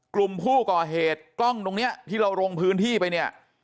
กลุ่มผู้ก่อเหตุกล้องตรงนี้ที่เราลงพื้นที่ไปเนี่ย